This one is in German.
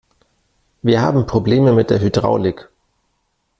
Wir haben Probleme mit der Hydraulik.